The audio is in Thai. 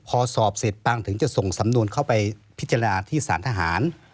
พอสอบเสร็จปังถึงจะส่งสำนวนเข้าไปพิจารณาที่สารทหาร